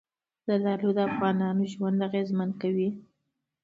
زردالو د افغانانو ژوند اغېزمن کوي.